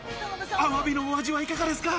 アワビのお味はいかがですか？